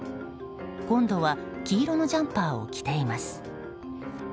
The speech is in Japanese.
今度は黄色のジャンパーを着ています。